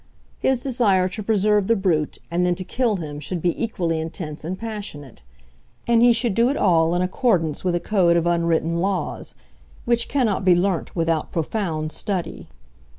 His desire to preserve the brute and then to kill him should be equally intense and passionate. And he should do it all in accordance with a code of unwritten laws, which cannot be learnt without profound study.